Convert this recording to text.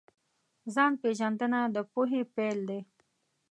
ځان پېژندنه د پوهې پیل دی.